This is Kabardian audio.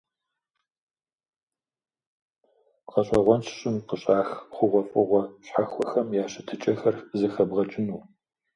ГъэщӀэгъуэнщ щӀым къыщӀах хъугъуэфӀыгъуэ щхьэхуэхэм я щытыкӀэхэр зэхэбгъэкӀыну.